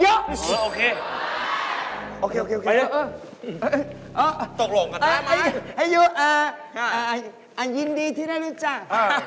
เออยิ้มดีที่ได้รู้จัก